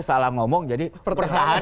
salah ngomong jadi pertahanan